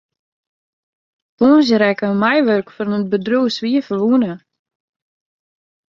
Tongersdei rekke in meiwurker fan it bedriuw swierferwûne.